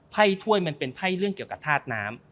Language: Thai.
ถ้วยมันเป็นไพ่เรื่องเกี่ยวกับธาตุน้ำ